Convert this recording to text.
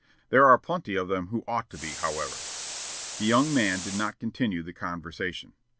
There are plenty of them who ought to be, however." The young man did not continue the conversation.